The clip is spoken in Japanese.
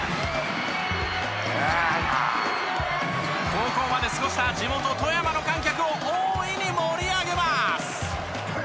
高校まで過ごした地元富山の観客を大いに盛り上げます！